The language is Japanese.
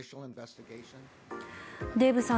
デーブさん